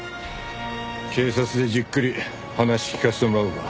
警察でじっくり話聞かせてもらおうか。